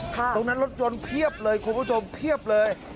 ตรงนั้นรถยนต์เพียบเลยคุณผู้ชมเพียบเลย